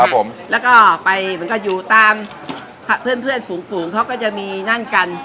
ครับผมแล้วก็ไปมันก็อยู่ตามเพื่อนเพื่อนฝูงฝูงเขาก็จะมีนั่นกัน